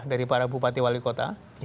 dari para bupati wali kota